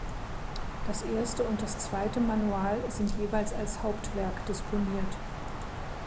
Das erste und das zweite Manual sind jeweils als Hauptwerk disponiert.